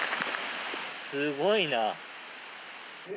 すごいなぁ。